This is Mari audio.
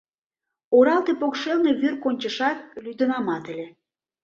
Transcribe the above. Оралте покшелне вӱр кончышат, лӱдынамат ыле.